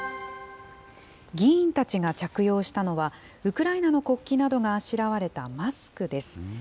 議員たちが着用したのは、ウクライナの国旗などがあしらわれたマスクです。